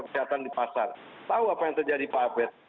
kesehatan di pasar tahu apa yang terjadi pak abed